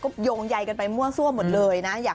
ก็โยงใยกันไปมั่วซั่วหมดเลยนะ